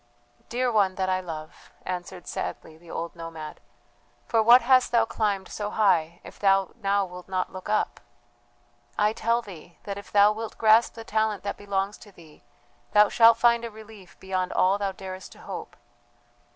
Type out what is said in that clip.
"Dear one that I love," answered sadly the old nomad, "for what hast thou climbed so high if thou now wilt not look up? I tell thee that if thou wilt grasp the talent that belongs to thee thou shalt find a relief beyond all thou darest to hope.